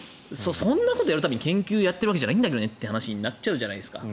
そんなことをやるために研究やっているんじゃないんだよねという話になっちゃうじゃないですか。